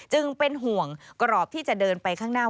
จึงเป็นห่วงกรอบที่จะเดินไปข้างหน้า